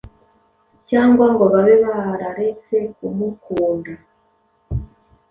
cyangwa ngo babe bararetse kumukunda;